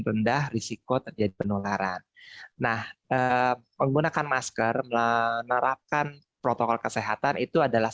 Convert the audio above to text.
rendah risiko terjadi penularan nah menggunakan masker menerapkan protokol kesehatan itu adalah